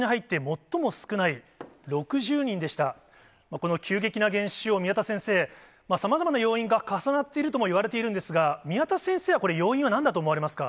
この急激な減少、宮田先生、さまざまな要因が重なっているともいわれているんですが、宮田先生はこの要因はなんだと思われますか？